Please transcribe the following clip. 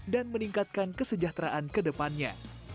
dan meningkatkan kesejahteraan ke depannya